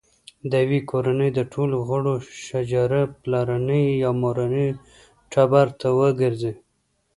د یوې کورنۍ د ټولو غړو شجره پلرني یا مورني ټبر ته ورګرځي.